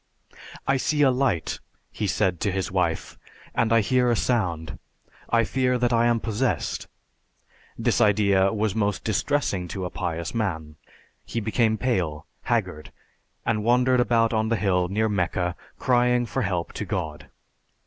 "I see a light," he said to his wife, "and I hear a sound. I fear that I am possessed." This idea was most distressing to a pious man. He became pale, haggard; he wandered about on the hill near Mecca crying for help to God.